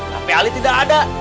tapi ali tidak ada